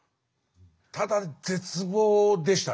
ただ絶望でしたね途中。